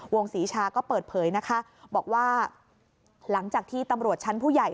ศรีชาก็เปิดเผยนะคะบอกว่าหลังจากที่ตำรวจชั้นผู้ใหญ่